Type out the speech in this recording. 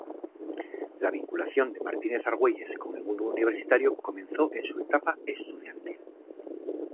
La vinculación de Martínez Argüelles con el mundo universitario comenzó en su etapa estudiantil.